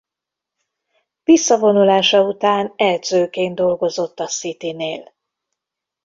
Visszavonulása után edzőként dolgozott a Citynél.